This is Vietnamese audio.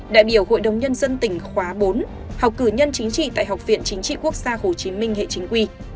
đại biểu hội đồng nhân dân tỉnh khóa bốn học cử nhân chính trị tại học viện chính trị quốc gia hồ chí minh hệ chính quy